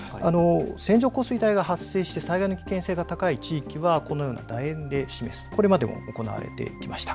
線状降水帯が発生して災害の危険性が高い地域はだ円で示す、これまで行われていました。